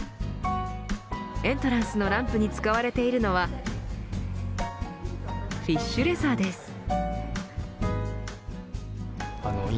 エントランスのランプに使われているのはフィッシュレザーです。